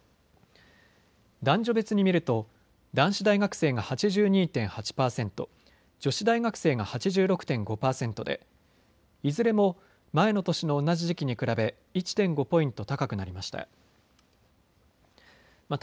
男女別に見ると男子大学生が８２．８％、女子大学生が８６．５％でいずれも前の年の同じ時期に比べ１．５ポイント高くなりました。